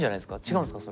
違うんですか？